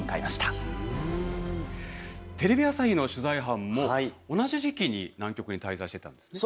テレビ朝日の取材班も同じ時期に南極に滞在してたんですね。